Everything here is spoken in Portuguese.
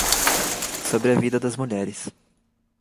sobre a vida das mulheres